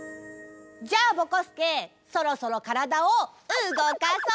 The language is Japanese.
じゃあぼこすけそろそろからだをうごかそう！